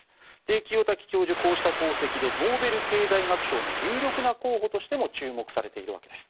清滝教授はこうした功績でノーベル経済学賞の有力な候補としても注目されているそうです。